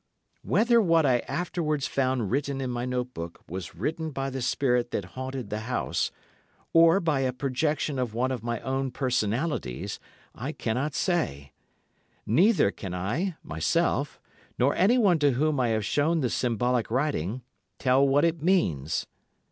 Whether what I afterwards found written in my note book was written by the spirit that haunted the house, or by a projection of one of my own personalities, I cannot say; neither can I, myself, nor anyone to whom I have shown the symbolic writing, tell what it means.